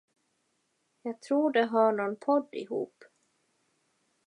Jag tror de har nån podd ihop.